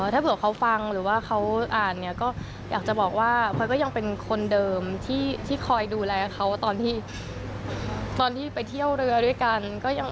ถ้าเผื่อเขาฟังหรือว่าเขาอ่านเนี่ยก็อยากจะบอกว่าพลอยก็ยังเป็นคนเดิมที่คอยดูแลเขาตอนที่ไปเที่ยวเรือด้วยกัน